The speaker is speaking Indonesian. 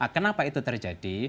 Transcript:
kenapa itu terjadi